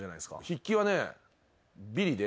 筆記はビリで。